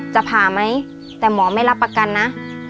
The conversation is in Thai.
ผ่าไหมแต่หมอไม่รับประกันนะ